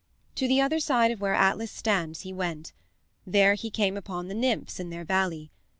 To the other side of where Atlas stands he went. There he came upon the nymphs in their valley.